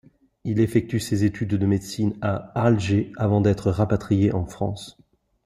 Il effectue ses études de médecine à Alger, avant d'être rapatrié en France.